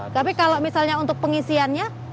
tapi kalau misalnya untuk pengisiannya